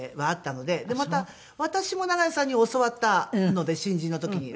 また私も長与さんに教わったので新人の時に。